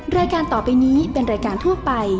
รายการต่อไปนี้เป็นรายการทั่วไป